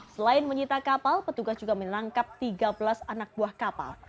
selain menyita kapal petugas juga menangkap tiga belas anak buah kapal